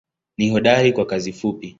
Ni hodari kwa kazi fupi.